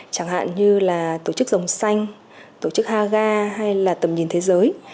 chẳng hạn như là tổ chức dòng xanh tổ chức haga hay là tầm nhìn thế giới